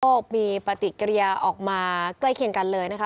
มีปฏิกิริยาออกมาใกล้เคียงกันเลยนะคะ